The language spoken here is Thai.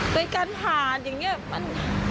ตัวเอกงานผ่านอย่างเนี่ย